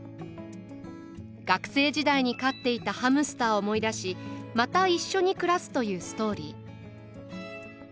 学生時代に飼っていたハムスターを思い出しまた一緒に暮らすというストーリー。